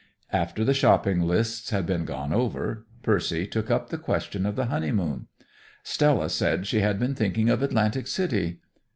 After the shopping lists had been gone over, Percy took up the question of the honeymoon. Stella said she had been thinking of Atlantic City.